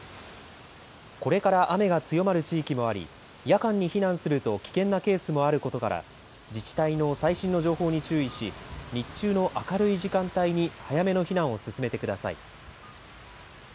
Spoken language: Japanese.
これから雨が強まる地域もあり、夜間に避難すると危険なケースもあることから、自治体の最新の情報に注意し日中の明るい時間帯に早めの避難を進めてください。